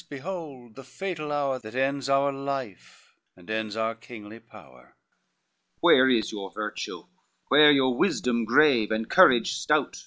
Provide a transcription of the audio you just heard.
behold the fatal hour That ends our life, and ends our kingly power." XLI "Where is your virtue, where your wisdom grave, And courage stout?"